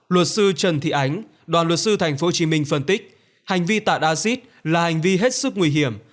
luật sư trần thị ánh đoàn luật sư tp hcm phân tích hành vi tạ acid là hành vi hết sức nguy hiểm